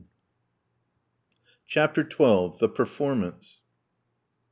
CHAPTER XII. THE PERFORMANCE.